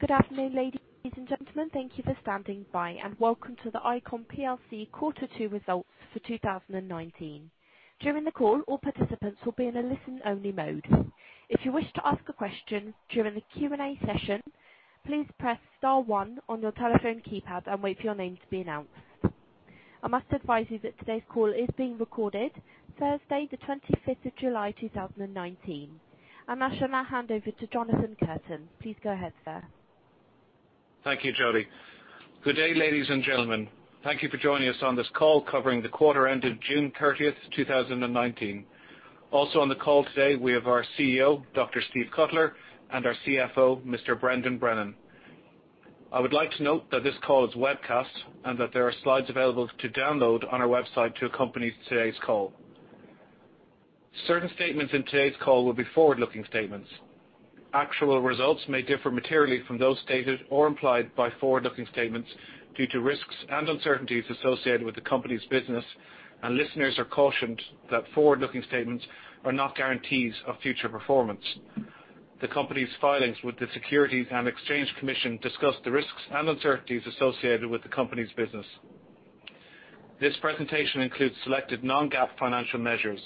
Good afternoon, ladies and gentlemen. Thank you for standing by, welcome to the ICON plc Quarter 2 Results for 2019. During the call, all participants will be in a listen-only mode. If you wish to ask a question during the Q&A session, please press star one on your telephone keypad and wait for your name to be announced. I must advise you that today's call is being recorded Thursday, the 25th of July, 2019. I shall now hand over to Jonathan Curtain. Please go ahead, sir. Thank you, Jody. Good day, ladies and gentlemen. Thank you for joining us on this call covering the quarter end of June 30, 2019. Also, on the call today we have our CEO, Dr. Steve Cutler, and our CFO, Mr. Brendan Brennan. I would like to note that this call is webcast and that there are slides available to download on our website to accompany today's call. Certain statements in today's call will be forward-looking statements. Actual results may differ materially from those stated or implied by forward-looking statements due to risks and uncertainties associated with the company's business, and listeners are cautioned that forward-looking statements are not guarantees of future performance. The company's filings with the Securities and Exchange Commission discuss the risks and uncertainties associated with the company's business. This presentation includes selected non-GAAP financial measures.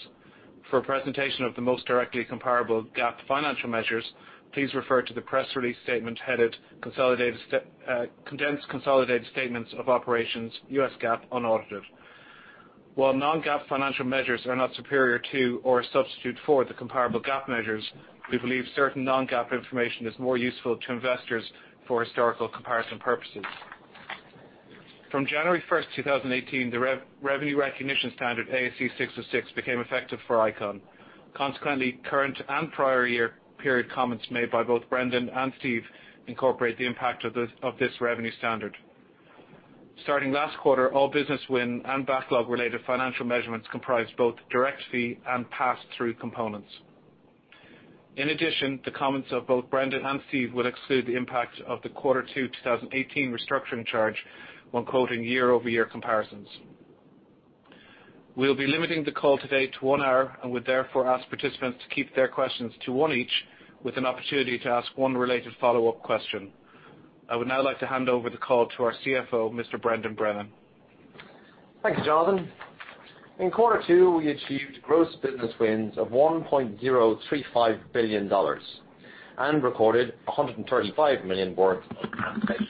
For presentation of the most directly comparable GAAP financial measures, please refer to the press release statement headed Condensed Consolidated Statements of Operations, US GAAP Unaudited. While non-GAAP financial measures are not superior to or a substitute for the comparable GAAP measures, we believe certain non-GAAP information is more useful to investors for historical comparison purposes. From January 1st, 2018, the Revenue Recognition Standard ASC 606 became effective for ICON. Consequently, current and prior year period comments made by both Brendan and Steve incorporate the impact of this revenue standard. Starting last quarter, all business win and backlog-related financial measurements comprise both direct fee and pass-through components. In addition, the comments of both Brendan and Steve will exclude the impact of the Quarter 2 2018 restructuring charge when quoting year-over-year comparisons. We'll be limiting the call today to one hour and would therefore ask participants to keep their questions to one each with an opportunity to ask one related follow-up question. I would now like to hand over the call to our CFO, Mr. Brendan Brennan. Thanks, Jonathan. In Quarter 2, we achieved gross business wins of $1.035 billion and recorded $135 million worth of cancellations.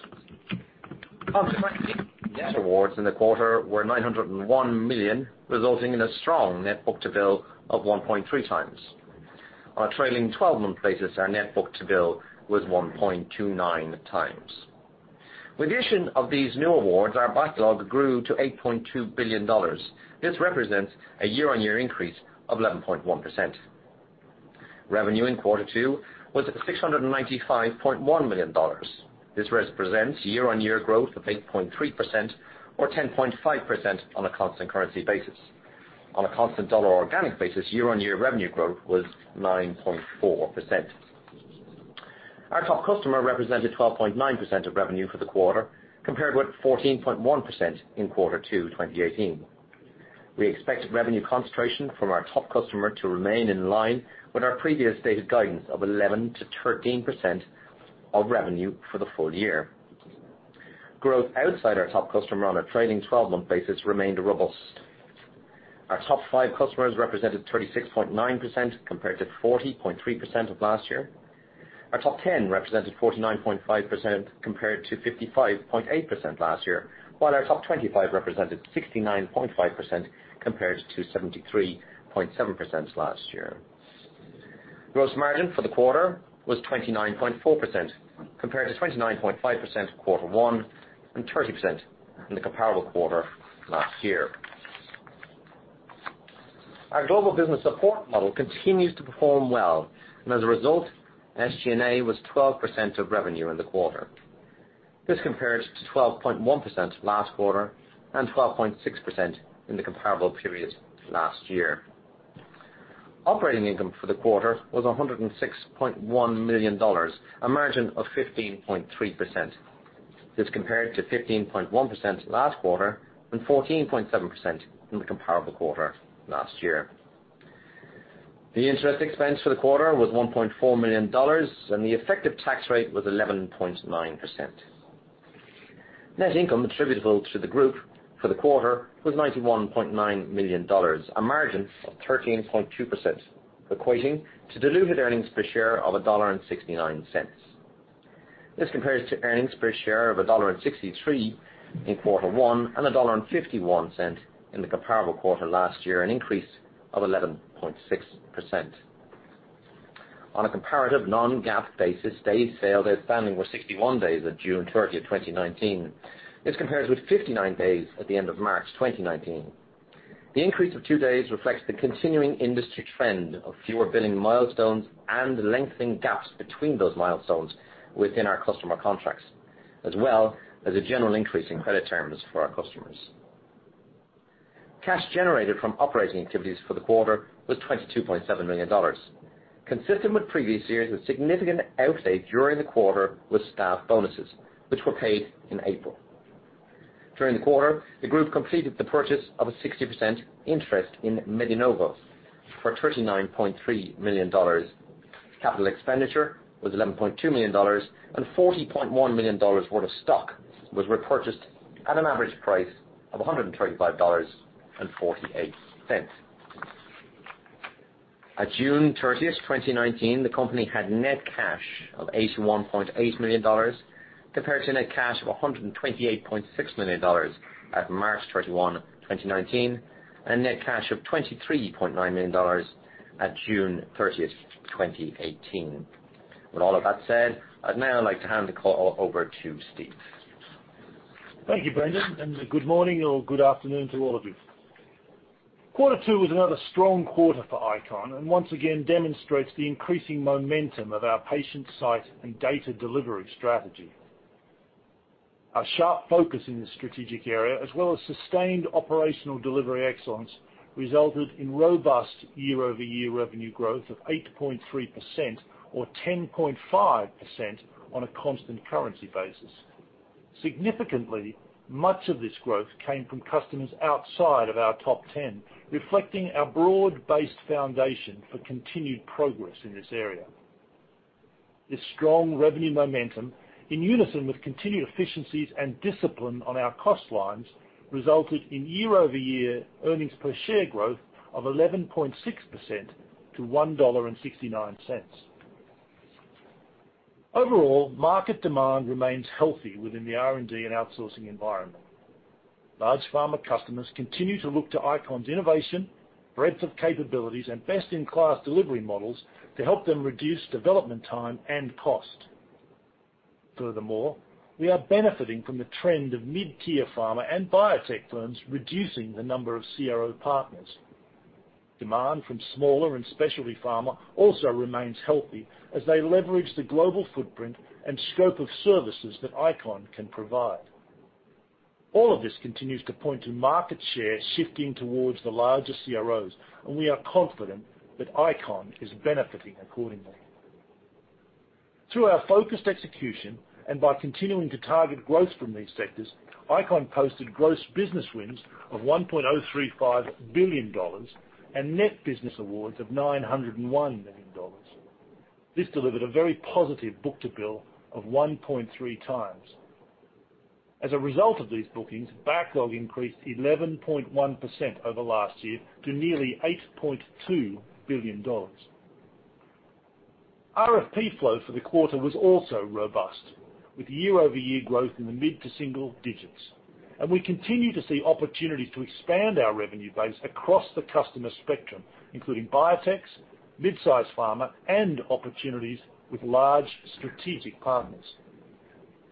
Consequently, net awards in the quarter were $901 million, resulting in a strong net book-to-bill of 1.3 times. On a trailing 12-month basis, our net book-to-bill was 1.29 times. With the addition of these new awards, our backlog grew to $8.2 billion. This represents a year-on-year increase of 11.1%. Revenue in Quarter 2 was at $695.1 million. This represents year-on-year growth of 8.3% or 10.5% on a constant currency basis. On a constant dollar organic basis, year-on-year revenue growth was 9.4%. Our top customer represented 12.9% of revenue for the quarter, compared with 14.1% in Quarter 2 2018. We expect revenue concentration from our top customer to remain in line with our previous stated guidance of 11%-13% of revenue for the full year. Growth outside our top customer on a trailing 12-month basis remained robust. Our top five customers represented 36.9%, compared to 40.3% of last year. Our top 10 represented 49.5%, compared to 55.8% last year. While our top 25 represented 69.5%, compared to 73.7% last year. Gross margin for the quarter was 29.4%, compared to 29.5% Quarter 1 and 30% in the comparable quarter last year. Our global business support model continues to perform well, as a result, SG&A was 12% of revenue in the quarter. This compares to 12.1% last quarter and 12.6% in the comparable period last year. Operating income for the quarter was $106.1 million, a margin of 15.3%. This compared to 15.1% last quarter and 14.7% in the comparable quarter last year. The interest expense for the quarter was $1.4 million, and the effective tax rate was 11.9%. Net income attributable to the group for the quarter was $91.9 million, a margin of 13.2%, equating to diluted earnings per share of $1.69. This compares to earnings per share of $1.63 in Quarter 1 and $1.51 in the comparable quarter last year, an increase of 11.6%. On a comparative non-GAAP basis, days sales outstanding were 61 days at June 30th, 2019. This compares with 59 days at the end of March 2019. The increase of two days reflects the continuing industry trend of fewer billing milestones and lengthening gaps between those milestones within our customer contracts, as well as a general increase in credit terms for our customers. Cash generated from operating activities for the quarter was $22.7 million. Consistent with previous years, a significant outlaid during the quarter was staff bonuses, which were paid in April. During the quarter, the group completed the purchase of a 60% interest in MeDiNova for $39.3 million. Capital expenditure was $11.2 million, and $40.1 million worth of stock was repurchased at an average price of $135.48. At June 30th, 2019, the company had net cash of $81.8 million, compared to net cash of $128.6 million at March 31, 2019, and net cash of $23.9 million at June 30th, 2018. With all of that said, I'd now like to hand the call over to Steve. Thank you, Brendan. Good morning or good afternoon to all of you. Quarter two was another strong quarter for ICON, and once again demonstrates the increasing momentum of our patient site and data delivery strategy. Our sharp focus in this strategic area, as well as sustained operational delivery excellence, resulted in robust year-over-year revenue growth of 8.3% or 10.5% on a constant currency basis. Significantly, much of this growth came from customers outside of our top 10, reflecting our broad-based foundation for continued progress in this area. This strong revenue momentum, in unison with continued efficiencies and discipline on our cost lines, resulted in year-over-year earnings per share growth of 11.6% to $1.69. Overall, market demand remains healthy within the R&D and outsourcing environment. Large pharma customers continue to look to ICON's innovation, breadth of capabilities, and best-in-class delivery models to help them reduce development time and cost. Furthermore, we are benefiting from the trend of mid-tier pharma and biotech firms reducing the number of CRO partners. Demand from smaller and specialty pharma also remains healthy as they leverage the global footprint and scope of services that ICON can provide. All of this continues to point to market share shifting towards the larger CROs. We are confident that ICON is benefiting accordingly. Through our focused execution and by continuing to target growth from these sectors, ICON posted gross business wins of $1.035 billion and net business awards of $901 million. This delivered a very positive book-to-bill of 1.3 times. As a result of these bookings, backlog increased 11.1% over last year to nearly $8.2 billion. RFP flow for the quarter was also robust, with year-over-year growth in the mid to single digits. We continue to see opportunities to expand our revenue base across the customer spectrum, including biotechs, mid-size pharma, and opportunities with large strategic partners.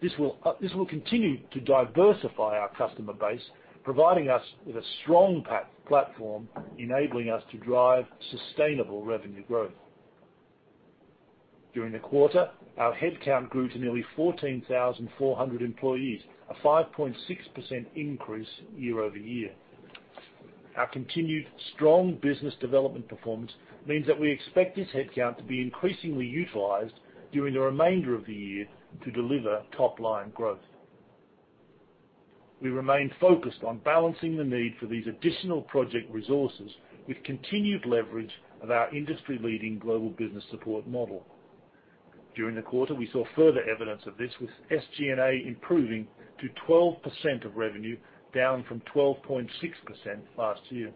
This will continue to diversify our customer base, providing us with a strong platform, enabling us to drive sustainable revenue growth. During the quarter, our headcount grew to nearly 14,400 employees, a 5.6% increase year-over-year. Our continued strong business development performance means that we expect this headcount to be increasingly utilized during the remainder of the year to deliver top-line growth. We remain focused on balancing the need for these additional project resources with continued leverage of our industry-leading global business support model. During the quarter, we saw further evidence of this, with SG&A improving to 12% of revenue, down from 12.6% last year.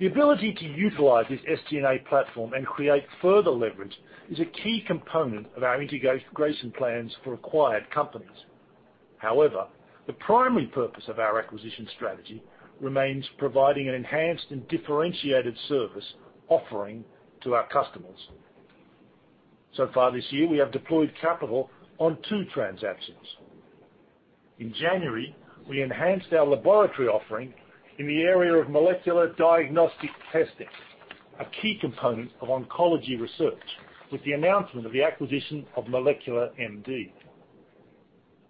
The ability to utilize this SG&A platform and create further leverage is a key component of our integration plans for acquired companies. However, the primary purpose of our acquisition strategy remains providing an enhanced and differentiated service offering to our customers. So far this year, we have deployed capital on two transactions. In January, we enhanced our laboratory offering in the area of molecular diagnostic testing, a key component of oncology research, with the announcement of the acquisition of MolecularMD.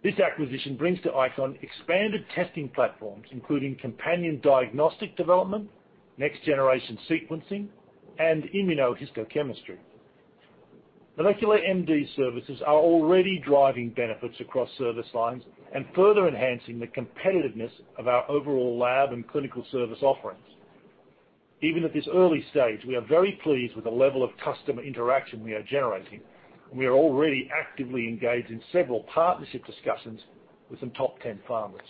This acquisition brings to ICON expanded testing platforms, including companion diagnostic development, next-generation sequencing, and immunohistochemistry. MolecularMD services are already driving benefits across service lines and further enhancing the competitiveness of our overall lab and clinical service offerings. Even at this early stage, we are very pleased with the level of customer interaction we are generating, and we are already actively engaged in several partnership discussions with some top 10 pharmas.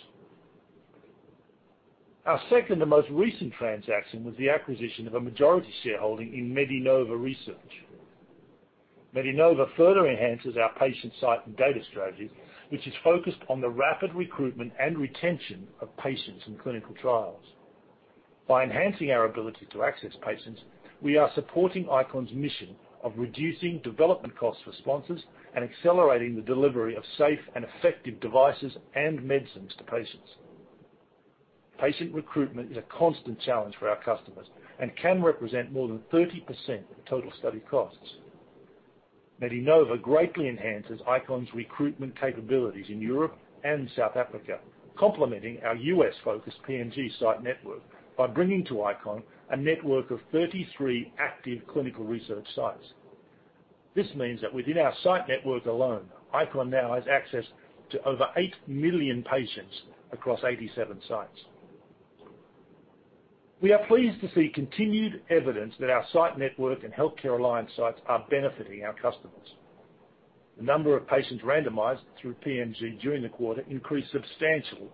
Our second and most recent transaction was the acquisition of a majority shareholding in MeDiNova Research. MeDiNova further enhances our patient site and data strategy, which is focused on the rapid recruitment and retention of patients in clinical trials. By enhancing our ability to access patients, we are supporting ICON's mission of reducing development costs for sponsors and accelerating the delivery of safe and effective devices and medicines to patients. Patient recruitment is a constant challenge for our customers and can represent more than 30% of the total study costs. MeDiNova greatly enhances ICON's recruitment capabilities in Europe and South Africa, complementing our U.S.-focused PMG site network by bringing to ICON a network of 33 active clinical research sites. This means that within our site network alone, ICON now has access to over 8 million patients across 87 sites. We are pleased to see continued evidence that our site network and healthcare alliance sites are benefiting our customers. The number of patients randomized through PMG during the quarter increased substantially,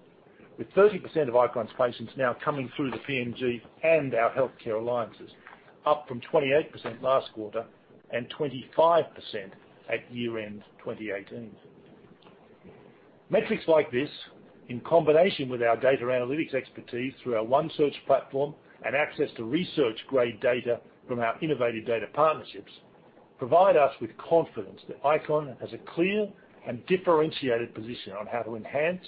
with 30% of ICON's patients now coming through the PMG and our healthcare alliances, up from 28% last quarter and 25% at year-end 2018. Metrics like this, in combination with our data analytics expertise through our OneSearch platform and access to research-grade data from our innovative data partnerships, provide us with confidence that ICON has a clear and differentiated position on how to enhance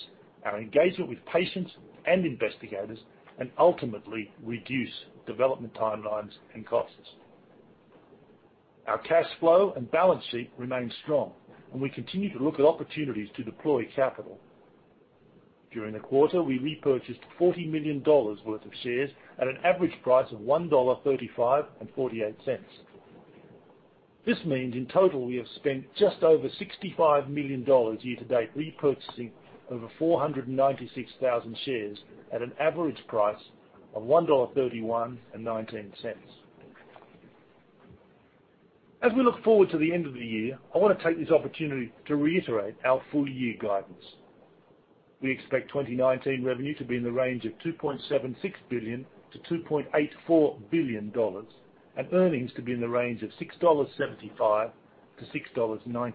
our engagement with patients and investigators, and ultimately reduce development timelines and costs. Our cash flow and balance sheet remain strong. We continue to look at opportunities to deploy capital. During the quarter, we repurchased $40 million worth of shares at an average price of $135.48. This means, in total, we have spent just over $65 million year to date, repurchasing over 496,000 shares at an average price of $131.19. As we look forward to the end of the year, I want to take this opportunity to reiterate our full-year guidance. We expect 2019 revenue to be in the range of $2.76 billion to $2.84 billion, and earnings to be in the range of $6.75 to $6.95.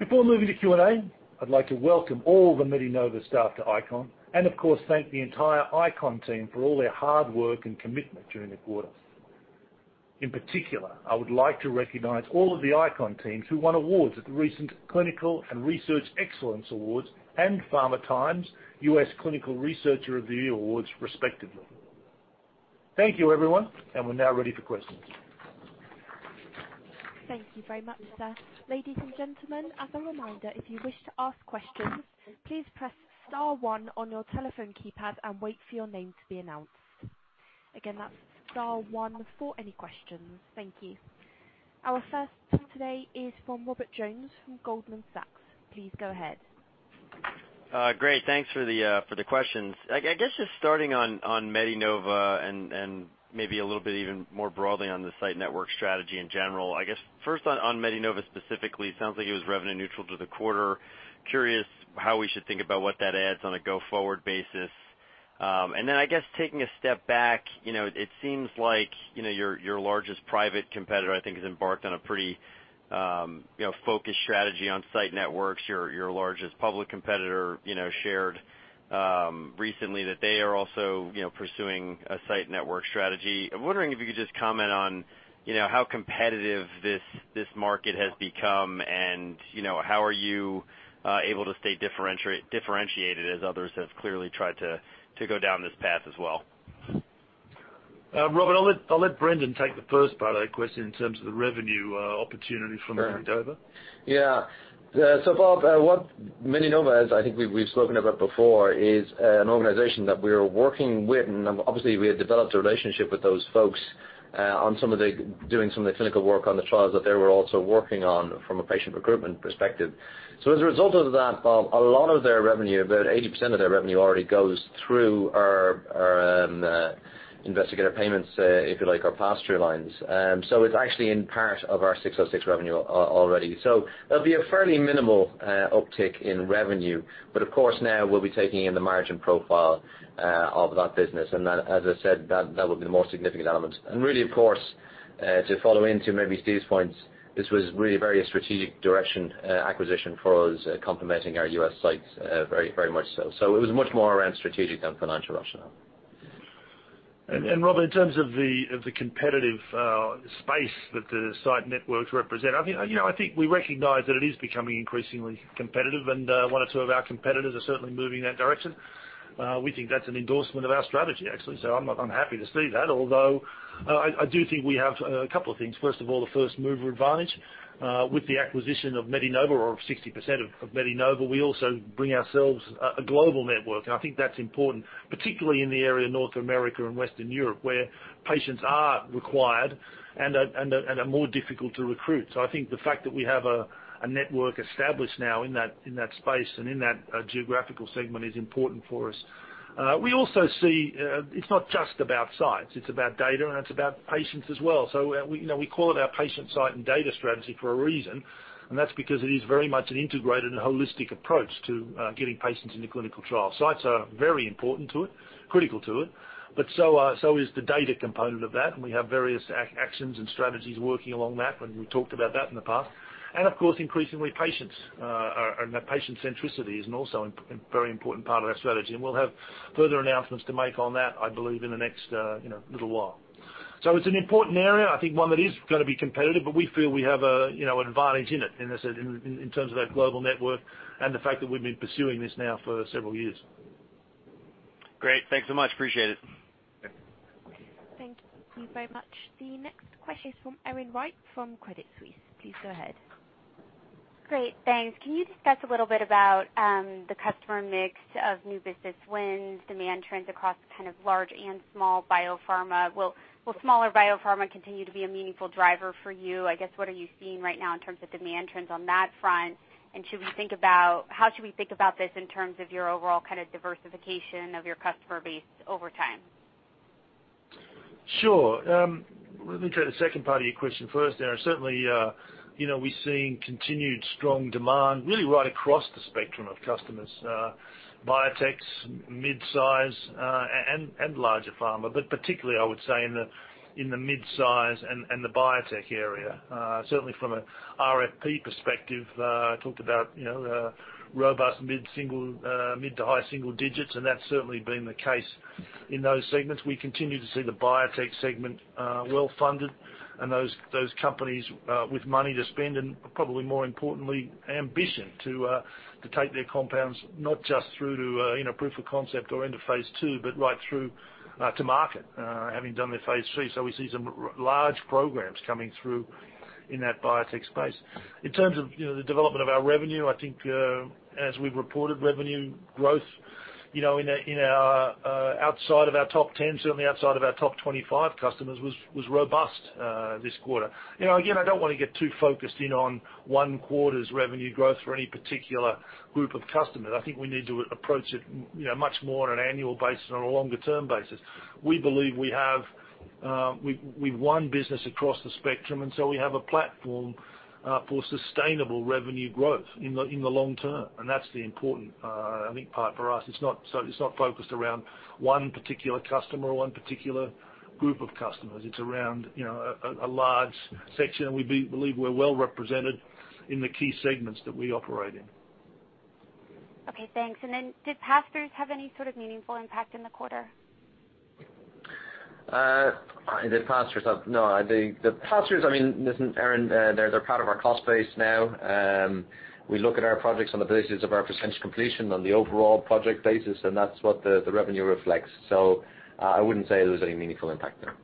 Before moving to Q&A, I'd like to welcome all the MeDiNova staff to ICON and, of course, thank the entire ICON team for all their hard work and commitment during the quarter. In particular, I would like to recognize all of the ICON teams who won awards at the recent Clinical and Research Excellence Awards and PharmaTimes US Clinical Researcher of the Year Awards, respectively. Thank you, everyone. We're now ready for questions. Thank you very much, sir. Ladies and gentlemen, as a reminder, if you wish to ask questions, please press star one on your telephone keypad and wait for your name to be announced. Again, that's star one for any questions. Thank you. Our first call today is from Robert Jones from Goldman Sachs. Please go ahead. Great. Thanks for the questions. I guess just starting on MeDiNova and maybe a little bit even more broadly on the site network strategy in general. I guess, first on MeDiNova specifically, it sounds like it was revenue neutral to the quarter. Curious how we should think about what that adds on a go-forward basis. I guess, taking a step back, it seems like your largest private competitor, I think, has embarked on a pretty focused strategy on site networks. Your largest public competitor shared recently that they are also pursuing a site network strategy. I'm wondering if you could just comment on how competitive this market has become, and how are you able to stay differentiated as others have clearly tried to go down this path as well? Robert, I'll let Brendan take the first part of that question in terms of the revenue opportunity from MeDiNova. Bob, what MeDiNova is, I think we've spoken about before, is an organization that we are working with. Obviously, we had developed a relationship with those folks doing some of the clinical work on the trials that they were also working on from a patient recruitment perspective. As a result of that, Bob, a lot of their revenue, about 80% of their revenue already goes through our investigative payments, if you like, our pass-through lines. It's actually in part of our 606 revenue already. There'll be a fairly minimal uptick in revenue. Of course, now we'll be taking in the margin profile of that business. As I said, that would be the most significant element. Really, of course, to follow into maybe Steve's points, this was really a very strategic direction acquisition for us, complementing our U.S. sites very much so. It was much more around strategic than financial rationale. Robert, in terms of the competitive space that the site networks represent, I think we recognize that it is becoming increasingly competitive, and one or two of our competitors are certainly moving in that direction. We think that's an endorsement of our strategy, actually. I'm happy to see that. Although, I do think we have a couple of things. First of all, the first-mover advantage. With the acquisition of MeDiNova or 60% of MeDiNova, we also bring ourselves a global network, and I think that's important, particularly in the area of North America and Western Europe, where patients are required and are more difficult to recruit. I think the fact that we have a network established now in that space and in that geographical segment is important for us. We also see it's not just about sites, it's about data, and it's about patients as well. We call it our patient site and data strategy for a reason, and that's because it is very much an integrated and holistic approach to getting patients into clinical trials. Sites are very important to it, critical to it, but so is the data component of that, and we have various actions and strategies working along that, and we've talked about that in the past. Of course, increasingly patients and that patient centricity is also a very important part of our strategy. We'll have further announcements to make on that, I believe, in the next little while. It's an important area, I think one that is going to be competitive, but we feel we have an advantage in it, as I said, in terms of our global network and the fact that we've been pursuing this now for several years. Great. Thanks so much. Appreciate it. Okay. Thank you very much. The next question is from Erin Wright from Credit Suisse. Please go ahead. Great, thanks. Can you discuss a little bit about the customer mix of new business wins, demand trends across large and small biopharma? Will smaller biopharma continue to be a meaningful driver for you? I guess, what are you seeing right now in terms of demand trends on that front? How should we think about this in terms of your overall diversification of your customer base over time? Sure. Let me take the second part of your question first, Erin. Certainly, we're seeing continued strong demand really right across the spectrum of customers, biotechs, mid-size, and larger pharma. Particularly, I would say in the mid-size and the biotech area. Certainly from an RFP perspective, I talked about robust mid to high single digits, and that's certainly been the case in those segments. We continue to see the biotech segment well-funded, and those companies with money to spend, and probably more importantly, ambition to take their compounds not just through to proof of concept or into phase II, but right through to market having done their phase III. We see some large programs coming through in that biotech space. In terms of the development of our revenue, I think as we've reported, revenue growth outside of our top 10, certainly outside of our top 25 customers, was robust this quarter. Again, I don't want to get too focused in on one quarter's revenue growth for any particular group of customers. I think we need to approach it much more on an annual basis or a longer-term basis. We believe we've won business across the spectrum, and so we have a platform for sustainable revenue growth in the long term, and that's the important part for us. It's not focused around one particular customer or one particular group of customers. It's around a large section, and we believe we're well-represented in the key segments that we operate in. Okay, thanks. Did pass-throughs have any sort of meaningful impact in the quarter? The pass-throughs, listen, Erin, they're part of our cost base now. We look at our projects on the basis of our percentage completion on the overall project basis, That's what the revenue reflects. I wouldn't say there was any meaningful impact there.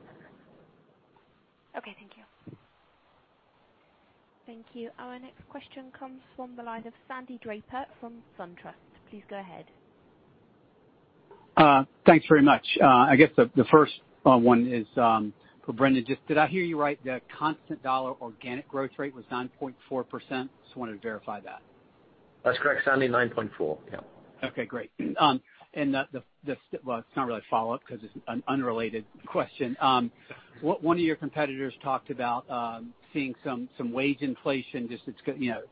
Okay, thank you. Thank you. Our next question comes from the line of Sandy Draper from SunTrust. Please go ahead. Thanks very much. I guess the first one is for Brendan. Did I hear you right that constant dollar organic growth rate was 9.4%? Just wanted to verify that. That's correct, Sandy, 9.4. Yeah. Okay, great. Well, it's not really a follow-up because it's an unrelated question. One of your competitors talked about seeing some wage inflation, just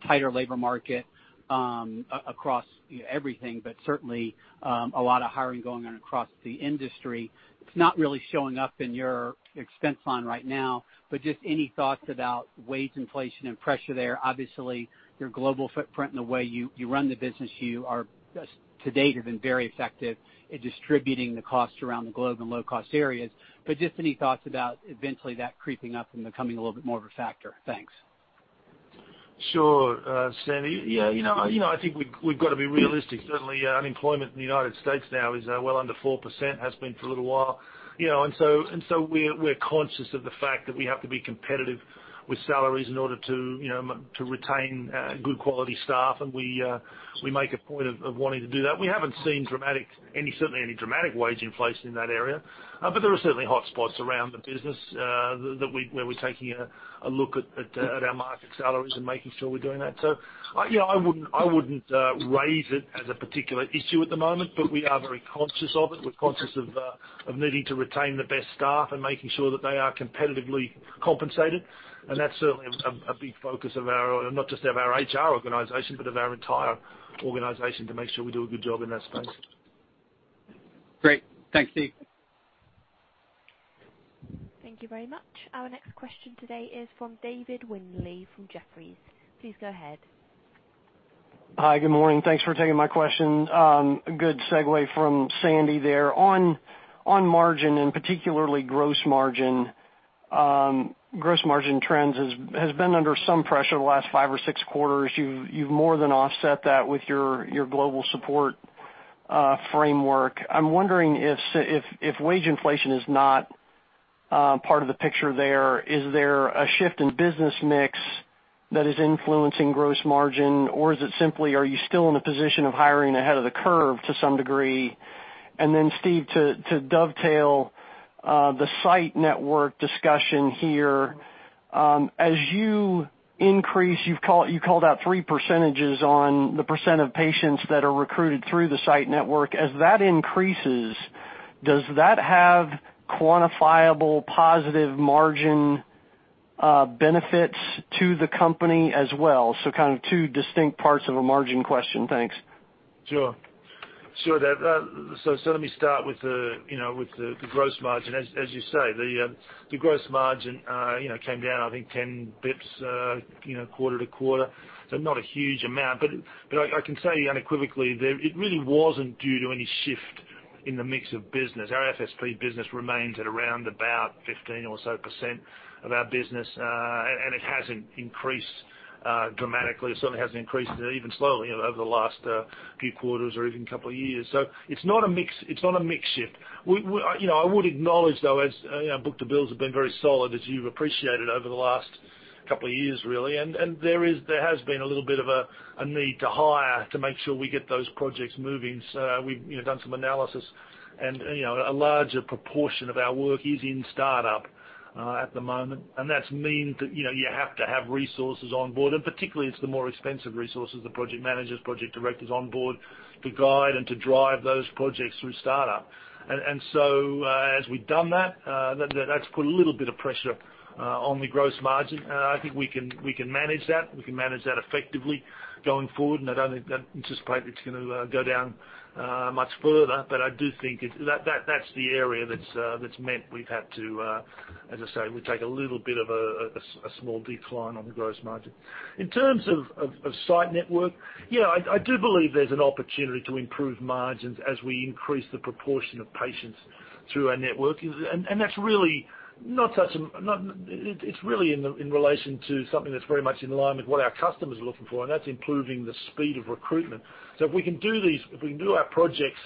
tighter labor market across everything, but certainly a lot of hiring going on across the industry. It's not really showing up in your expense line right now, but just any thoughts about wage inflation and pressure there? Obviously, your global footprint and the way you run the business to date has been very effective at distributing the costs around the globe in low-cost areas. Just any thoughts about eventually that creeping up and becoming a little bit more of a factor? Thanks. Sandy. I think we've got to be realistic. Certainly, unemployment in the U.S. now is well under 4%, has been for a little while. We're conscious of the fact that we have to be competitive with salaries in order to retain good quality staff, and we make a point of wanting to do that. We haven't seen certainly any dramatic wage inflation in that area. There are certainly hot spots around the business where we're taking a look at our market salaries and making sure we're doing that. I wouldn't raise it as a particular issue at the moment, but we are very conscious of it. We're conscious of needing to retain the best staff and making sure that they are competitively compensated. That's certainly a big focus of not just of our HR organization, but of our entire organization to make sure we do a good job in that space. Great. Thanks, Steve. Thank you very much. Our next question today is from David Windley from Jefferies. Please go ahead. Hi, good morning. Thanks for taking my questions. Good segue from Sandy there. On margin and particularly gross margin. Gross margin trends has been under some pressure the last five or six quarters. You've more than offset that with your global support framework. I'm wondering if wage inflation is not part of the picture there, is there a shift in business mix that is influencing gross margin, or is it simply are you still in a position of hiring ahead of the curve to some degree? Then Steve, to dovetail the site network discussion here. You called out three percentages on the percent of patients that are recruited through the site network. As that increases, does that have quantifiable positive margin benefits to the company as well? Two distinct parts of a margin question. Thanks. Sure. Let me start with the gross margin. As you say, the gross margin came down, I think, 10 basis points quarter-to-quarter. Not a huge amount, but I can say unequivocally that it really wasn't due to any shift in the mix of business, our FSP business remains at around about 15% or so of our business. It hasn't increased dramatically. It certainly hasn't increased even slowly over the last few quarters or even couple of years. It's not a mix shift. I would acknowledge, though, as our book-to-bills have been very solid, as you've appreciated over the last couple of years, really. There has been a little bit of a need to hire to make sure we get those projects moving. We've done some analysis and a larger proportion of our work is in startup at the moment, and that's mean that you have to have resources on board. Particularly, it's the more expensive resources, the project managers, project directors on board to guide and to drive those projects through startup. As we've done that's put a little bit of pressure on the gross margin. I think we can manage that. We can manage that effectively going forward. I don't anticipate it's going to go down much further. I do think that's the area that's meant we've had to, as I say, we take a little bit of a small decline on the gross margin. In terms of site network, I do believe there's an opportunity to improve margins as we increase the proportion of patients through our network. It's really in relation to something that's very much in line with what our customers are looking for, and that's improving the speed of recruitment. If we can do our projects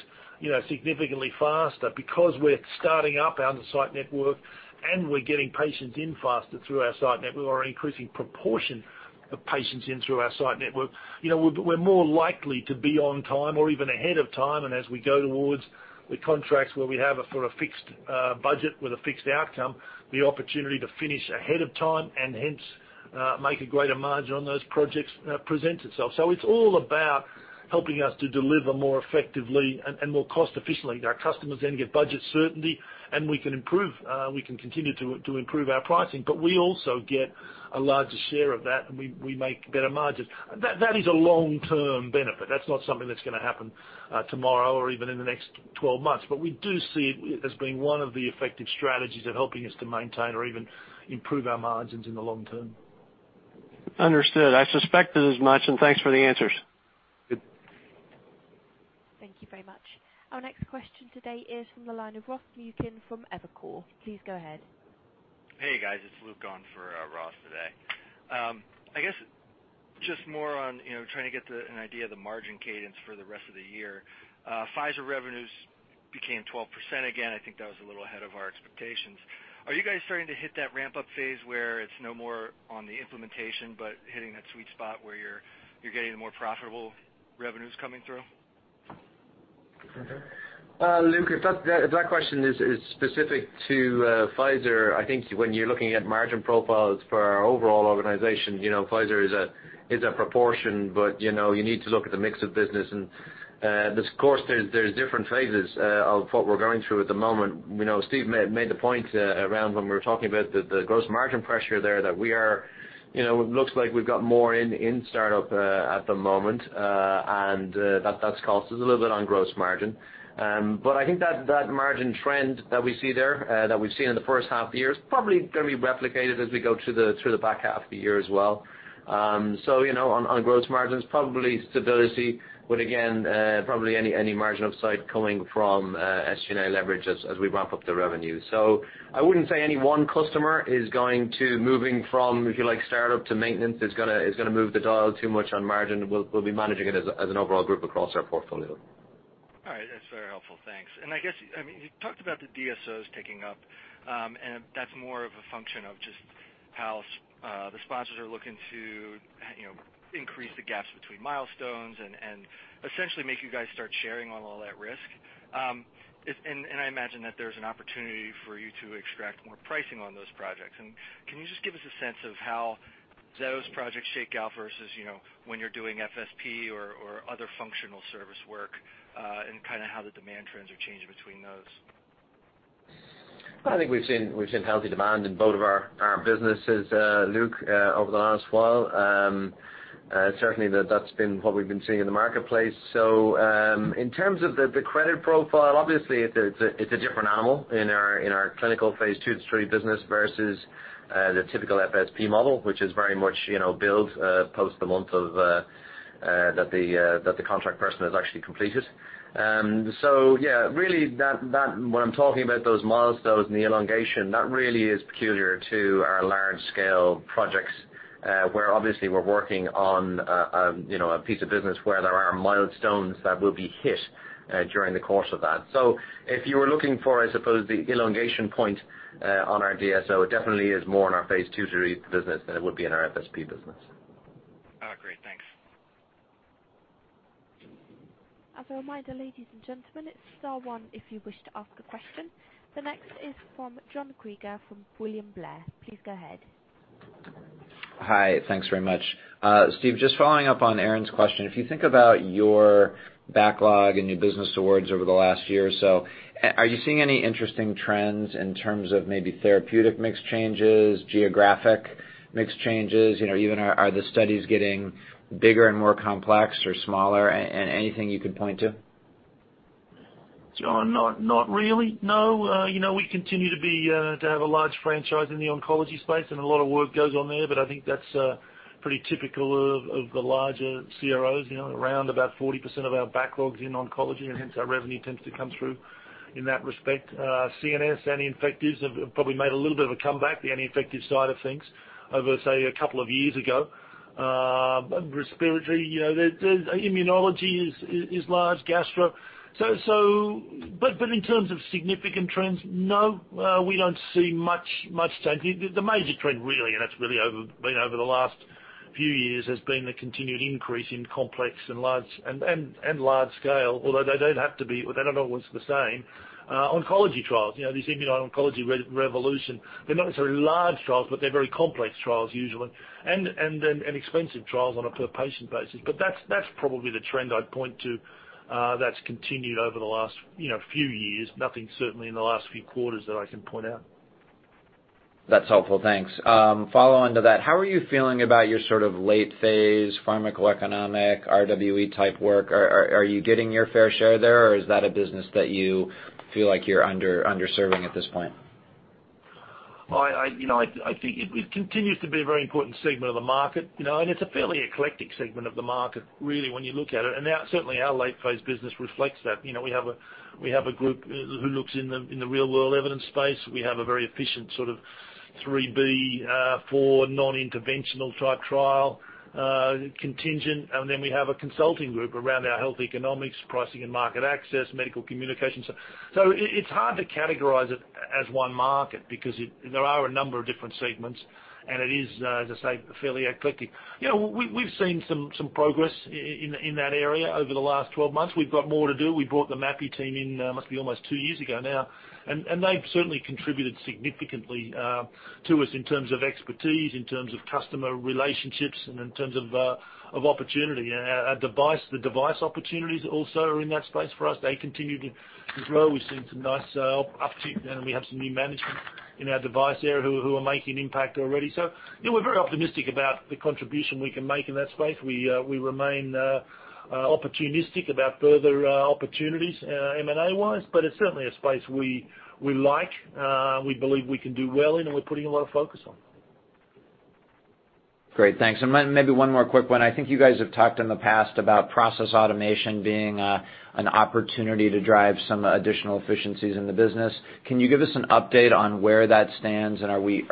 significantly faster because we're starting up our on-site network and we're getting patients in faster through our site network or increasing proportion of patients in through our site network, we're more likely to be on time or even ahead of time. As we go towards the contracts where we have for a fixed budget with a fixed outcome, the opportunity to finish ahead of time and hence make a greater margin on those projects presents itself. It's all about helping us to deliver more effectively and more cost efficiently. Our customers get budget certainty, and we can continue to improve our pricing, but we also get a larger share of that, and we make better margins. That is a long-term benefit. That's not something that's going to happen tomorrow or even in the next 12 months, but we do see it as being one of the effective strategies of helping us to maintain or even improve our margins in the long term. Understood. I suspected as much, and thanks for the answers. Good. Thank you very much. Our next question today is from the line of Ross Muken from Evercore. Please go ahead. Hey, guys. It's Luke on for Ross today. I guess just more on trying to get an idea of the margin cadence for the rest of the year. Pfizer revenues became 12% again. I think that was a little ahead of our expectations. Are you guys starting to hit that ramp-up phase where it's no more on the implementation, but hitting that sweet spot where you're getting the more profitable revenues coming through? Luke, if that question is specific to Pfizer, I think when you're looking at margin profiles for our overall organization, Pfizer is a proportion, you need to look at the mix of business. Of course, there's different phases of what we're going through at the moment. Steve made the point around when we were talking about the gross margin pressure there that it looks like we've got more in startup at the moment, that's cost us a little bit on gross margin. I think that margin trend that we see there, that we've seen in the first half of the year, is probably going to be replicated as we go through the back half of the year as well. On our gross margins, probably stability, but again, probably any margin upside coming from SG&A leverage as we ramp up the revenue. I wouldn't say any one customer is going to moving from, if you like, startup to maintenance is going to move the dial too much on margin. We'll be managing it as an overall group across our portfolio. All right. That's very helpful. Thanks. I guess, you talked about the DSOs ticking up, and that's more of a function of just how the sponsors are looking to increase the gaps between milestones and essentially make you guys start sharing on all that risk. I imagine that there's an opportunity for you to extract more pricing on those projects. Can you just give us a sense of how those projects shake out versus when you're doing FSP or other functional service work, and how the demand trends are changing between those? I think we've seen healthy demand in both of our businesses, Luke, over the last while. Certainly, that's been what we've been seeing in the marketplace. In terms of the credit profile, obviously it's a different animal in our clinical phase II to III business versus the typical FSP model, which is very much build post the month that the contract person has actually completed. Yeah, really when I'm talking about those milestones and the elongation, that really is peculiar to our large-scale projects. Where obviously we're working on a piece of business where there are milestones that will be hit during the course of that. If you were looking for, I suppose, the elongation point on our DSO, it definitely is more in our phase II to III business than it would be in our FSP business. Oh, great. Thanks. As a reminder, ladies and gentlemen, it's star one if you wish to ask a question. The next is from John Kreger from William Blair. Please go ahead. Hi. Thanks very much. Steve, just following up on Erin's question. If you think about your backlog and new business awards over the last year or so, are you seeing any interesting trends in terms of maybe therapeutic mix changes, geographic mix changes, even are the studies getting bigger and more complex or smaller? Anything you could point to? John, not really, no. We continue to have a large franchise in the oncology space, and a lot of work goes on there. I think that's pretty typical of the larger CROs. Around about 40% of our backlog's in oncology, and hence our revenue tends to come through in that respect. CNS, anti-infectives have probably made a little bit of a comeback, the anti-infective side of things over, say, a couple of years ago. Respiratory, immunology is large, gastro. In terms of significant trends, no, we don't see much change. The major trend really, and that's really been over the last few years, has been the continued increase in complex and large-scale, although they don't have to be, they're not always the same, oncology trials. This immuno-oncology revolution, they're not necessarily large trials, but they're very complex trials usually. Expensive trials on a per-patient basis. That's probably the trend I'd point to that's continued over the last few years. Nothing certainly in the last few quarters that I can point out. That's helpful. Thanks. Follow on to that, how are you feeling about your sort of late phase pharmacoeconomic RWE-type work? Are you getting your fair share there, or is that a business that you feel like you're under-serving at this point? I think it continues to be a very important segment of the market. It's a fairly eclectic segment of the market, really, when you look at it. Certainly our late phase business reflects that. We have a group who looks in the real-world evidence space. We have a very efficient sort of 3b/4 non-interventional type trial contingent, and then we have a consulting group around our health economics, pricing and market access, medical communications. It's hard to categorize it as one market because there are a number of different segments, and it is, as I say, fairly eclectic. We've seen some progress in that area over the last 12 months. We've got more to do. We brought the Mapi team in, must be almost 2 years ago now. They've certainly contributed significantly to us in terms of expertise, in terms of customer relationships, and in terms of opportunity. The device opportunities also are in that space for us. They continue to grow. We've seen some nice uptick. We have some new management in our device area who are making an impact already. We're very optimistic about the contribution we can make in that space. We remain opportunistic about further opportunities M&A-wise. It's certainly a space we like, we believe we can do well in, and we're putting a lot of focus on. Great. Thanks. Maybe one more quick one. I think you guys have talked in the past about process automation being an opportunity to drive some additional efficiencies in the business. Can you give us an update on where that stands, and are we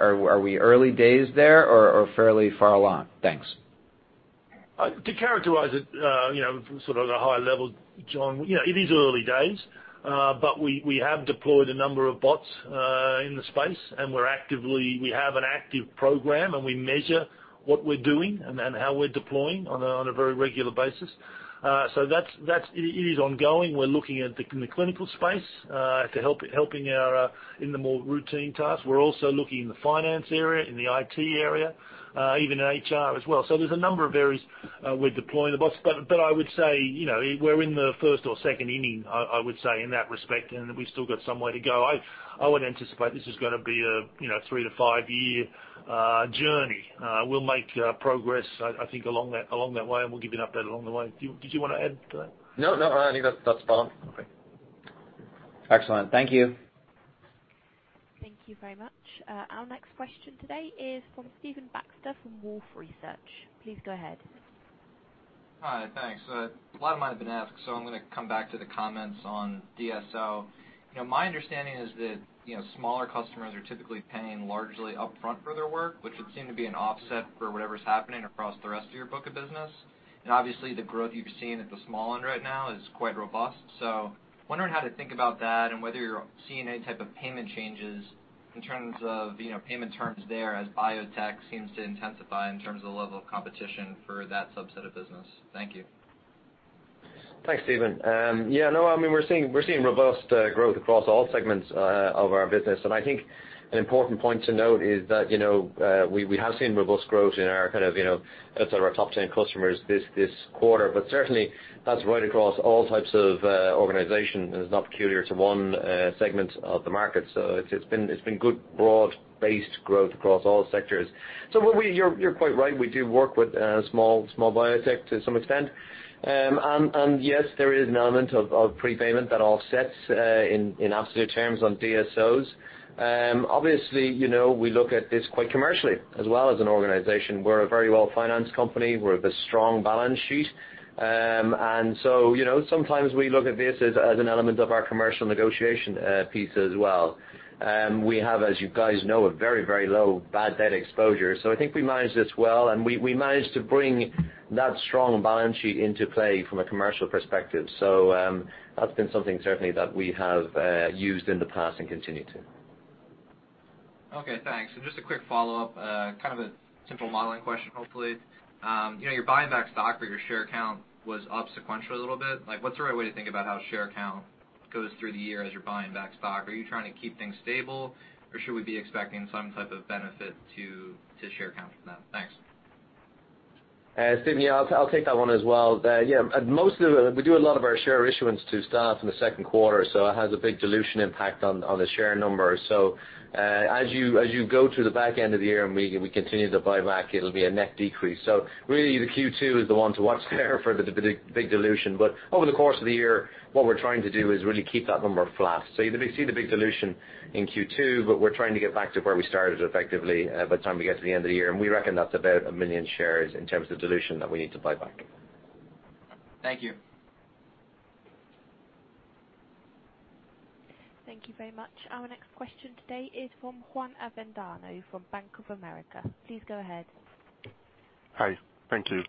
early days there or fairly far along? Thanks. To characterize it from sort of the high level, John, it is early days. We have deployed a number of bots in the space, and we have an active program, and we measure what we're doing and how we're deploying on a very regular basis. It is ongoing. We're looking in the clinical space, helping in the more routine tasks. We're also looking in the finance area, in the IT area, even HR as well. There's a number of areas we're deploying the bots. I would say, we're in the first or second inning, I would say, in that respect, and we've still got some way to go. I would anticipate this is going to be a 3 to 5-year journey. We'll make progress, I think, along that way, and we'll give you an update along the way. Did you want to add to that? No, I think that's spot on. Okay. Excellent. Thank you. Thank you very much. Our next question today is from Stephen Baxter from Wolfe Research. Please go ahead. Hi. Thanks. A lot of mine have been asked, so I'm going to come back to the comments on DSO. My understanding is that smaller customers are typically paying largely upfront for their work, which would seem to be an offset for whatever's happening across the rest of your book of business. Obviously, the growth you've seen at the small end right now is quite robust. Wondering how to think about that and whether you're seeing any type of payment changes in terms of payment terms there as biotech seems to intensify in terms of the level of competition for that subset of business. Thank you. Thanks, Stephen. We're seeing robust growth across all segments of our business. I think an important point to note is that we have seen robust growth in our sort of top 10 customers this quarter. Certainly, that's right across all types of organizations, and it's not peculiar to one segment of the market. It's been good broad-based growth across all sectors. You're quite right. We do work with small biotech to some extent. Yes, there is an element of prepayment that offsets in absolute terms on DSOs. Obviously, we look at this quite commercially as well as an organization. We're a very well-financed company. We have a strong balance sheet. Sometimes we look at this as an element of our commercial negotiation piece as well. We have, as you guys know, a very low bad debt exposure, so I think we manage this well, and we manage to bring that strong balance sheet into play from a commercial perspective. That's been something certainly that we have used in the past and continue to. Okay, thanks. Just a quick follow-up, kind of a simple modeling question, hopefully. You're buying back stock, but your share count was up sequentially a little bit. What's the right way to think about how share count goes through the year as you're buying back stock? Are you trying to keep things stable, or should we be expecting some type of benefit to share count from that? Thanks. Stephen, yeah, I'll take that one as well. We do a lot of our share issuance to staff in the second quarter, it has a big dilution impact on the share numbers. As you go to the back end of the year and we continue to buy back, it'll be a net decrease. Really, the Q2 is the one to watch there for the big dilution. Over the course of the year, what we're trying to do is really keep that number flat. You'll see the big dilution in Q2, but we're trying to get back to where we started effectively by the time we get to the end of the year. We reckon that's about 1 million shares in terms of dilution that we need to buy back. Thank you. Thank you very much. Our next question today is from Juan Avendano from Bank of America. Please go ahead. Hi. Thank you.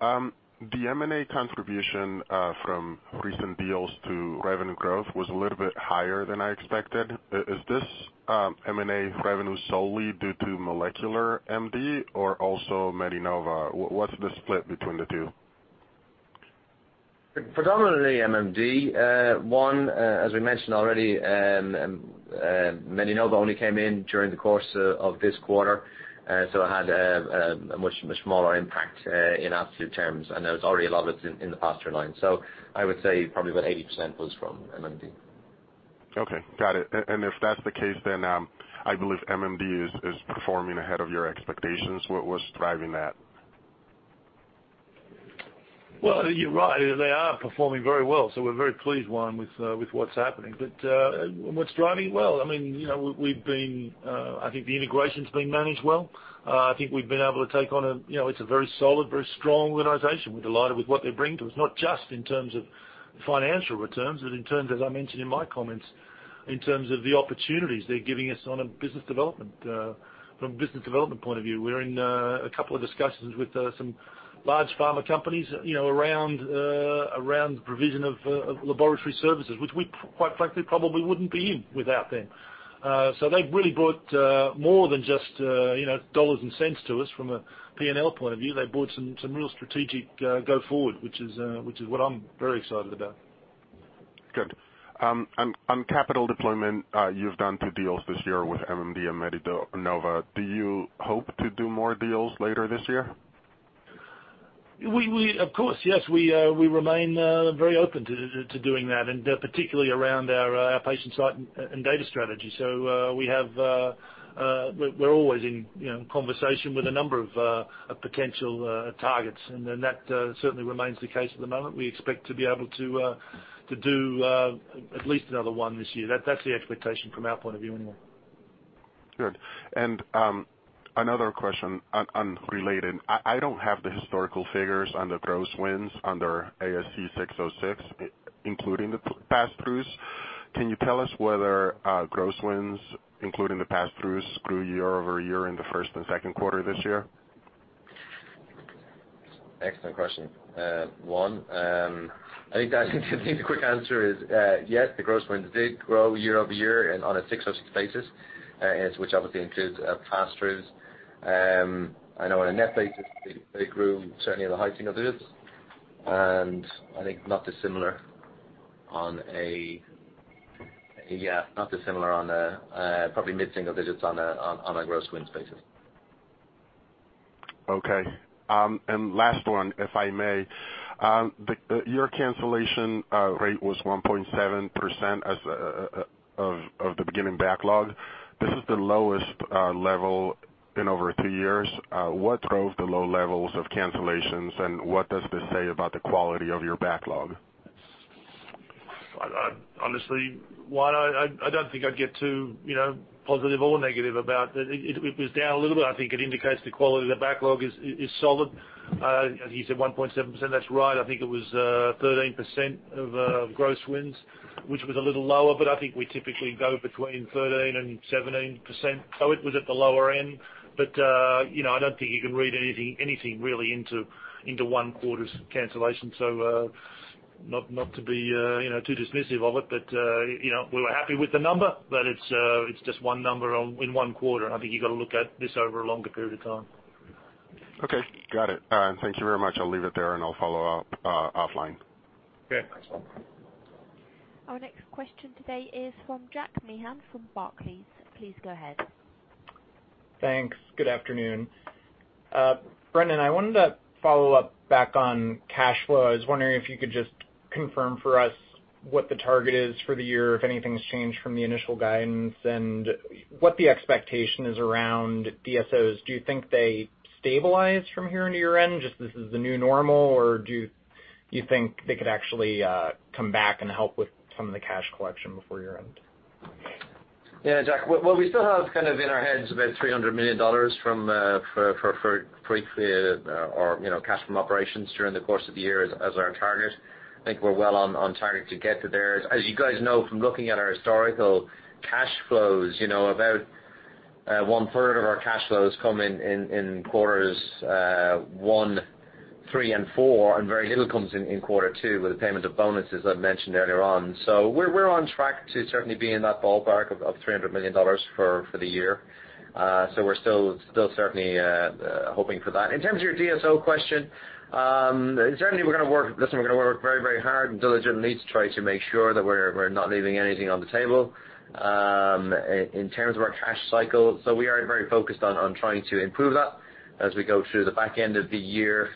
The M&A contribution from recent deals to revenue growth was a little bit higher than I expected. Is this M&A revenue solely due to MolecularMD or also MeDiNova? What's the split between the two? Predominantly MMD. One, as we mentioned already MeDiNova only came in during the course of this quarter, so it had a much smaller impact in absolute terms, and there was already a lot of it in the pass-through line. I would say probably about 80% was from MMD. Okay, got it. If that's the case, I believe MMD is performing ahead of your expectations. What was driving that? Well, you're right. They are performing very well, so we're very pleased, Juan, with what's happening. What's driving it? Well, I think the integration's being managed well. I think we've been able to take on a very solid, very strong organization. We're delighted with what they bring to us, not just in terms of financial returns, but in terms, as I mentioned in my comments, in terms of the opportunities they're giving us from a business development point of view. We're in a couple of discussions with some large pharma companies around the provision of laboratory services, which we quite frankly probably wouldn't be in without them. They've really brought more than just dollars and cents to us from a P&L point of view. They brought some real strategic go forward, which is what I'm very excited about. Good. On capital deployment, you've done two deals this year with MMD and MeDiNova. Do you hope to do more deals later this year? Of course, yes. We remain very open to doing that, and particularly around our patient site and data strategy. We're always in conversation with a number of potential targets. That certainly remains the case at the moment. We expect to be able to do at least another one this year. That's the expectation from our point of view, anyway. Good. Another question, unrelated. I don't have the historical figures on the gross wins under ASC 606, including the pass-throughs. Can you tell us whether gross wins, including the pass-throughs, grew year-over-year in the first and second quarter this year? Excellent question. Juan, I think the quick answer is yes, the gross wins did grow year-over-year and on a 606 basis, which obviously includes pass-throughs. I know on a net basis, they grew certainly in the high single digits, and I think not dissimilar on a probably mid-single digits on a gross wins basis. Okay. Last one, if I may. Your cancellation rate was 1.7% of the beginning backlog. This is the lowest level in over two years. What drove the low levels of cancellations, and what does this say about the quality of your backlog? Honestly, Juan, I don't think I'd get too positive or negative about that. It was down a little bit. I think it indicates the quality of the backlog is solid. As you said, 1.7%, that's right. I think it was 13% of gross wins, which was a little lower, but I think we typically go between 13% and 17%. It was at the lower end. I don't think you can read anything really into one quarter's cancellation. Not to be too dismissive of it, but we were happy with the number, but it's just one number in one quarter, and I think you got to look at this over a longer period of time. Okay, got it. Thank you very much. I'll leave it there, and I'll follow up offline. Okay. Thanks, Juan. Our next question today is from Jack Meehan from Barclays. Please go ahead. Thanks. Good afternoon. Brendan, I wanted to follow up back on cash flow. I was wondering if you could just confirm for us what the target is for the year, if anything's changed from the initial guidance, and what the expectation is around DSOs. Do you think they stabilize from here into year-end, just this is the new normal, or do you think they could actually come back and help with some of the cash collection before year-end? Yeah, Jack. Well, we still have in our heads about $300 million from cash from operations during the course of the year as our target. I think we're well on target to get to there. As you guys know from looking at our historical cash flows, about one-third of our cash flows come in quarters 1, 3, and 4, and very little comes in quarter 2 with the payment of bonuses I mentioned earlier on. We're on track to certainly be in that ballpark of $300 million for the year. We're still certainly hoping for that. In terms of your DSO question. Certainly we're going to work very, very hard and diligently to try to make sure that we're not leaving anything on the table. In terms of our cash cycle, we are very focused on trying to improve that as we go through the back end of the year.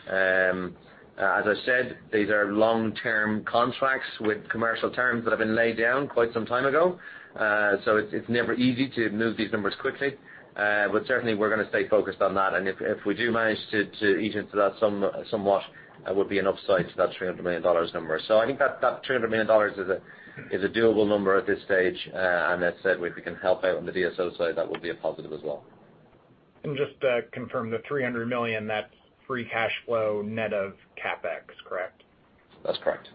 As I said, these are long-term contracts with commercial terms that have been laid down quite some time ago. It's never easy to move these numbers quickly. Certainly we're going to stay focused on that. If we do manage to ease into that somewhat, that would be an upside to that $300 million number. I think that $300 million is a doable number at this stage. That said, if we can help out on the DSO side, that will be a positive as well. Just to confirm, the $300 million, that's free cash flow net of CapEx, correct? That's correct.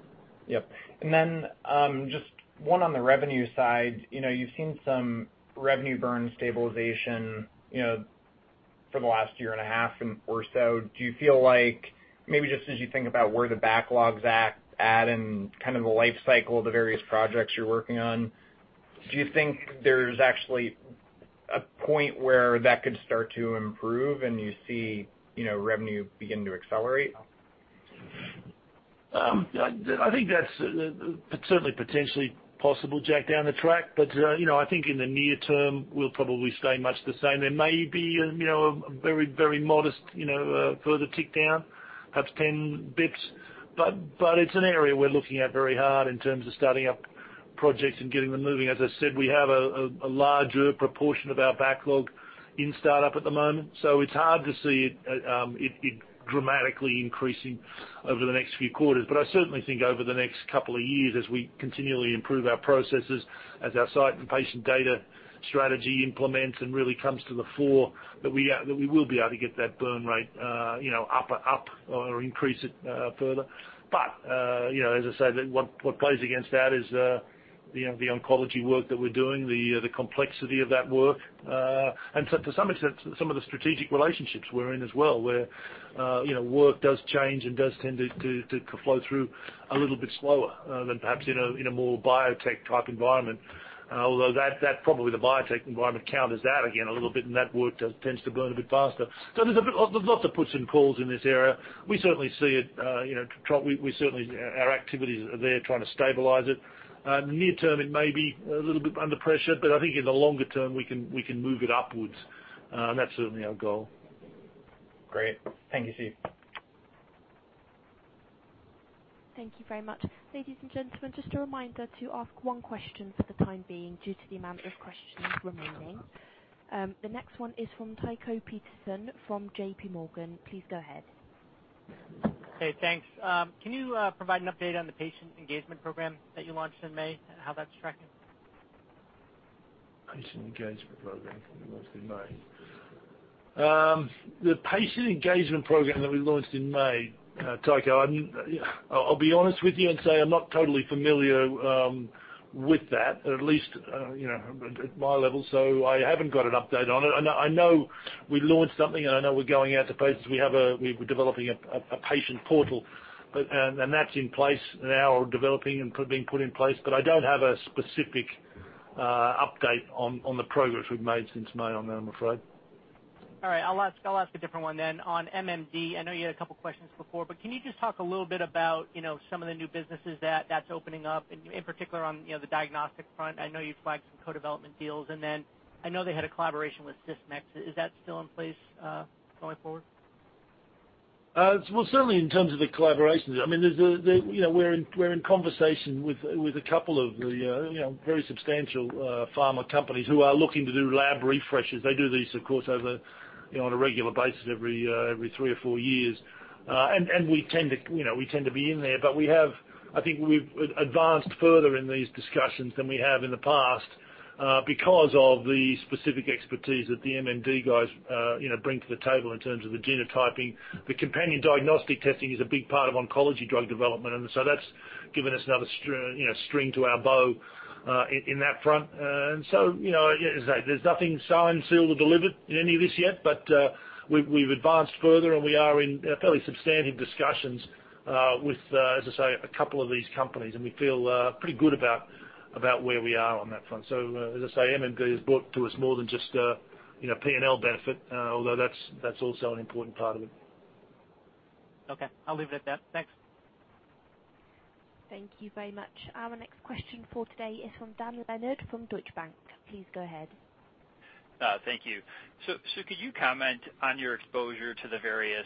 Yep. Just one on the revenue side. You've seen some revenue burn stabilization for the last year and a half and or so. Do you feel like maybe just as you think about where the backlogs at, add in kind of the life cycle of the various projects you're working on, do you think there's actually a point where that could start to improve and you see revenue begin to accelerate? I think that's certainly potentially possible, Jack, down the track. I think in the near term, we'll probably stay much the same. There may be a very, very modest further tick down, perhaps 10 basis points. It's an area we're looking at very hard in terms of starting up projects and getting them moving. As I said, we have a larger proportion of our backlog in startup at the moment, it's hard to see it dramatically increasing over the next few quarters. I certainly think over the next couple of years, as we continually improve our processes, as our site and patient data strategy implements and really comes to the fore, that we will be able to get that burn rate up or increase it further. As I say, what plays against that is the oncology work that we're doing, the complexity of that work, and to some extent, some of the strategic relationships we're in as well, where work does change and does tend to flow through a little bit slower than perhaps in a more biotech type environment. Although probably the biotech environment counters that again a little bit, and that work tends to burn a bit faster. There's lots of push and pulls in this area. We certainly see it. Our activities are there trying to stabilize it. Near term, it may be a little bit under pressure, but I think in the longer term, we can move it upwards. That's certainly our goal. Great. Thank you, Steve. Thank you very much. Ladies and gentlemen, just a reminder to ask one question for the time being due to the amount of questions remaining. The next one is from Tycho Peterson from JP Morgan. Please go ahead. Hey, thanks. Can you provide an update on the patient engagement program that you launched in May and how that's tracking? Patient engagement program that we launched in May. The patient engagement program that we launched in May, Tycho, I'll be honest with you and say I'm not totally familiar with that, or at least at my level. I haven't got an update on it. I know we launched something, and I know we're going out to places. We're developing a patient portal, and that's in place now or developing and being put in place. I don't have a specific update on the progress we've made since May on that, I'm afraid. All right. I'll ask a different one then. On MMD, I know you had a couple questions before, but can you just talk a little bit about some of the new businesses that's opening up, in particular on the diagnostic front. I know you've flagged some co-development deals, and then I know they had a collaboration with Sysmex. Is that still in place going forward? Well, certainly in terms of the collaborations. We're in conversation with a couple of the very substantial pharma companies who are looking to do lab refreshes. They do these, of course, on a regular basis every three or four years. We tend to be in there. I think we've advanced further in these discussions than we have in the past because of the specific expertise that the MMD guys bring to the table in terms of the genotyping. The companion diagnostic testing is a big part of oncology drug development, that's given us another string to our bow in that front. As I say, there's nothing signed, sealed, or delivered in any of this yet. We've advanced further, and we are in fairly substantive discussions with, as I say, a couple of these companies, and we feel pretty good about where we are on that front. As I say, MMD has brought to us more than just a P&L benefit, although that's also an important part of it. Okay. I'll leave it at that. Thanks. Thank you very much. Our next question for today is from Dan Leonard from Deutsche Bank. Please go ahead. Thank you. Sue, could you comment on your exposure to the various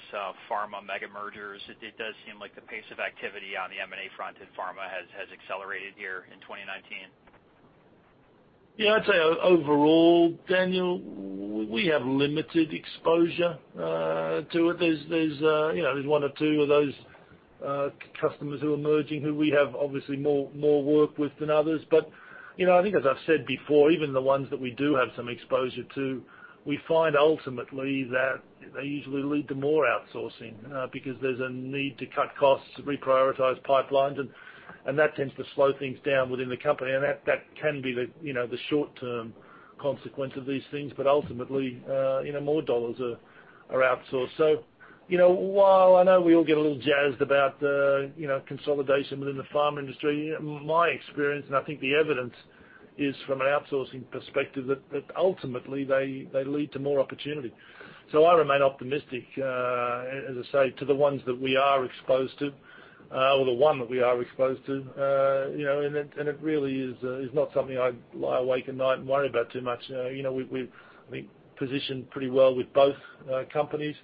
pharma mega mergers? It does seem like the pace of activity on the M&A front in pharma has accelerated here in 2019. Yeah, I'd say overall, Daniel, we have limited exposure to it. There's one or two of those customers who are merging who we have obviously more work with than others. I think as I've said before, even the ones that we do have some exposure to, we find ultimately that they usually lead to more outsourcing because there's a need to cut costs, reprioritize pipelines, and that tends to slow things down within the company. That can be the short-term consequence of these things. Ultimately, more dollars are outsourced. While I know we all get a little jazzed about consolidation within the pharma industry, my experience, and I think the evidence is from an outsourcing perspective that ultimately they lead to more opportunity. I remain optimistic, as I say, to the ones that we are exposed to, or the one that we are exposed to. It really is not something I lie awake at night and worry about too much. We've, I think, positioned pretty well with both companies,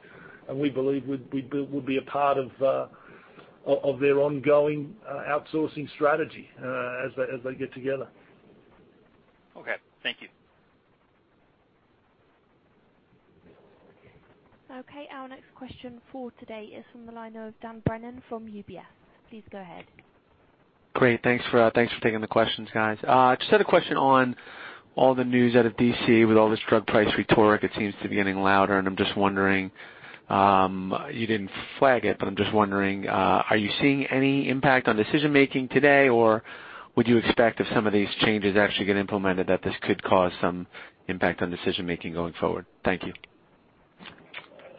and we believe we'd be a part of their ongoing outsourcing strategy as they get together. Okay. Thank you. Okay. Our next question for today is from the line of Dan Brennan from UBS. Please go ahead. Had a question on all the news out of D.C. with all this drug price rhetoric. It seems to be getting louder, and I'm just wondering, you didn't flag it, but I'm just wondering, are you seeing any impact on decision-making today, or would you expect if some of these changes actually get implemented, that this could cause some impact on decision-making going forward? Thank you.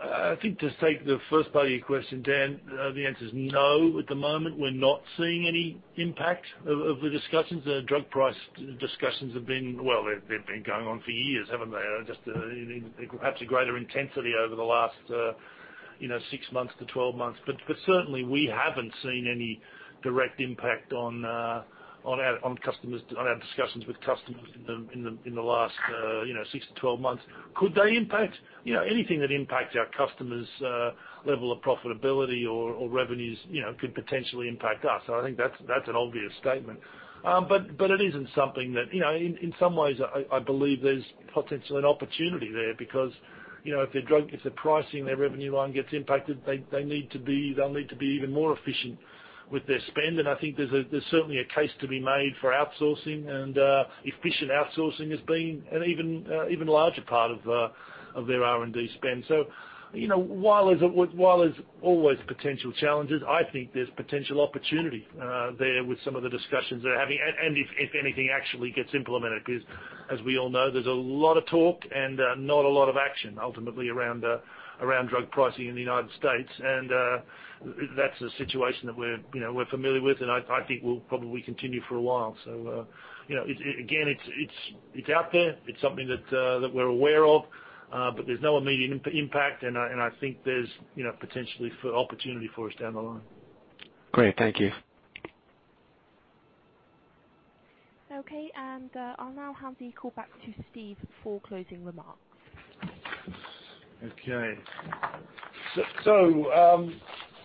I think to take the first part of your question, Dan, the answer is no. At the moment, we're not seeing any impact of the discussions. The drug price discussions have been Well, they've been going on for years, haven't they? Just perhaps a greater intensity over the last 6 months to 12 months. Certainly, we haven't seen any direct impact on our discussions with customers in the last 6 to 12 months. Could they impact? Anything that impacts our customers' level of profitability or revenues could potentially impact us. I think that's an obvious statement. It isn't something that In some ways, I believe there's potentially an opportunity there, because if the pricing, their revenue line gets impacted, they'll need to be even more efficient with their spend. I think there's certainly a case to be made for outsourcing and efficient outsourcing as being an even larger part of their R&D spend. While there's always potential challenges, I think there's potential opportunity there with some of the discussions they're having, and if anything actually gets implemented, because as we all know, there's a lot of talk and not a lot of action, ultimately, around drug pricing in the United States. That's a situation that we're familiar with, and I think will probably continue for a while. Again, it's out there. It's something that we're aware of. There's no immediate impact, and I think there's potentially opportunity for us down the line. Great. Thank you. Okay, I'll now hand the call back to Steve for closing remarks. Okay.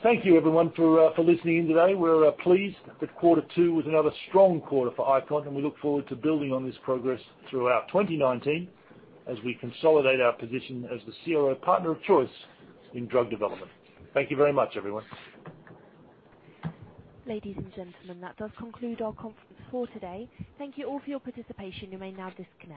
Thank you everyone for listening in today. We're pleased that quarter two was another strong quarter for ICON, and we look forward to building on this progress throughout 2019 as we consolidate our position as the CRO partner of choice in drug development. Thank you very much, everyone. Ladies and gentlemen, that does conclude our conference for today. Thank you all for your participation. You may now disconnect.